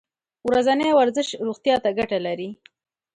ورځنی ورزش روغتیا ته ګټه لري.